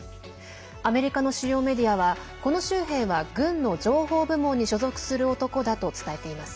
アメリカの主要メディアはこの州兵は軍の情報部門に所属する男だと伝えています。